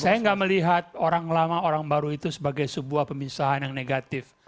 saya nggak melihat orang lama orang baru itu sebagai sebuah pemisahan yang negatif